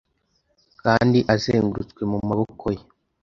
kandi uzengurutswe mu maboko ye